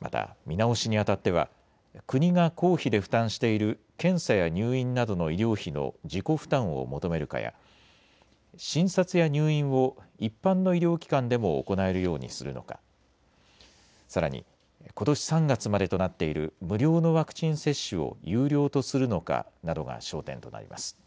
また見直しにあたっては国が公費で負担している検査や入院などの医療費の自己負担を求めるかや診察や入院を一般の医療機関でも行えるようにするのか、さらに、ことし３月までとなっている無料のワクチン接種を有料とするのかなどが焦点となります。